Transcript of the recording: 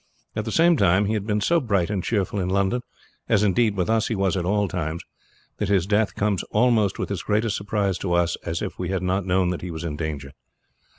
At the same time, he had been so bright and cheerful in London, as indeed with us he was at all times, that his death comes almost with as great a surprise to us as if we had not known that he was in danger.